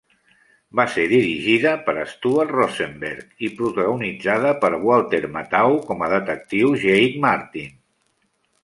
Va ser dirigida per Stuart Rosenberg i protagonitzada per Walter Matthau com a Detectiu Jake Martin.